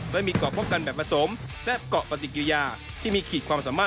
และมีเกาะป้องกันแบบผสมและเกาะปฏิกิริยาที่มีขีดความสามารถ